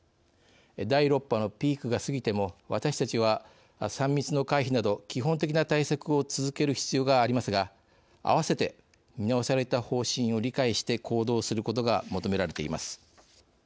第６波のピークが過ぎても私たちは、３密の回避など基本的な対策を続ける必要がありますがあわせて見直された方針を理解して行動することが求められています。